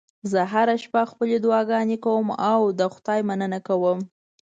زه هره شپه خپلې دعاګانې کوم او د خدای مننه کوم